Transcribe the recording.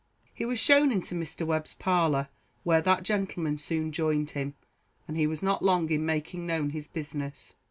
He was shown into Mr. Webb's parlour, where that gentleman soon joined him, and he was not long in making known his business.